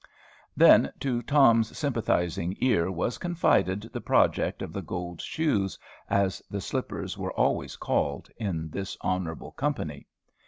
Then to Tom's sympathizing ear was confided the project of the gold shoes, as the slippers were always called, in this honorable company.